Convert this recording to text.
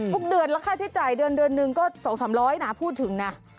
ทุกเดือนรัคภาษาที่จ่ายเดือนหนึ่งก็สดสามร้อยนะพูดถึงน่ะ